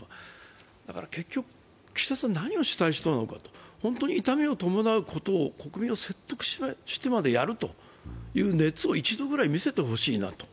結局、岸田さん、何をしたい人なのか、本当に痛みを伴うことを国民を説得してまでやるという熱を一度ぐらい見せてほしいなと。